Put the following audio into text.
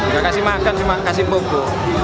gak kasih makan cuma kasih bobo